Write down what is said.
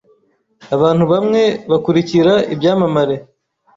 Abantu bamwe bakurikira ibyamamare.